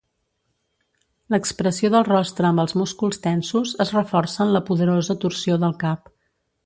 L'expressió del rostre amb els músculs tensos es reforça en la poderosa torsió del cap.